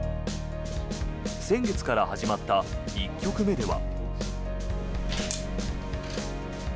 先月から始まった１局目では。